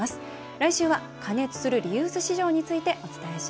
来週は過熱するリユース市場について、お伝えします。